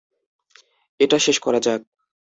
এটা শেষ করা যাক!